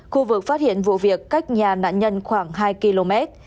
khu vực phát hiện vụ việc cách nhà nạn nhân khoảng hai km